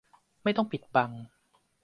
ไม่ต้องปิดบัง